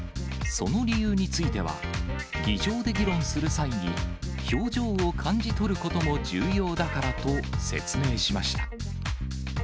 その理由については、議場で議論する際に、表情を感じ取ることも重要だからと説明しました。